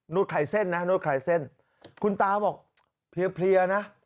นดไข่เส้นนะนกไข้เส้นคุณต้าบอกเพียนะ